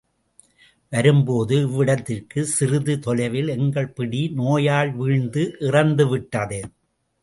வரும்போது இவ்விடத்திற்குச் சிறிது தொலைவில் எங்கள் பிடி நோயால் வீழ்ந்து இறந்து விட்டது.